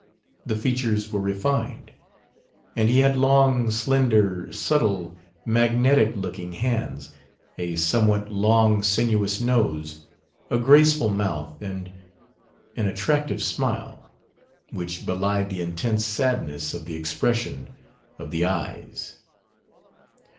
The features were refined; and he had long, slender, subtle, magnetic looking hands, a somewhat long sinuous nose, a graceful mouth, and an attractive smile, which belied the intense sadness of the expression of the eyes.